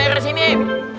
udah mana airnya sini